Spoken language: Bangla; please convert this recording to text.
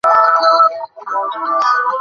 আর কারো হিরো সাজতে যাওয়ার দরকার নেই।